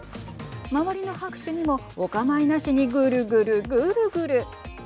周りの拍手にもお構いなしにぐるぐるぐるぐる。